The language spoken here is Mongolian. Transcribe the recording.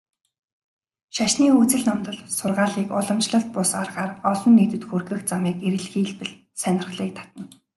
Шашны үзэл номлол, сургаалыг уламжлалт бус аргаар олон нийтэд хүргэх замыг эрэлхийлбэл сонирхлыг татна.